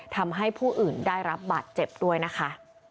ทำให้ผู้อื่นได้รับบาดเจ็บด้วยนะคะ